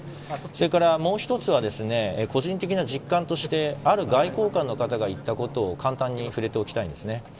それから、もう１つは個人的な実感としてある外交官の方が言ったことに簡単に触れておきたいんですね。